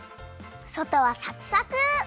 そとはサクサク！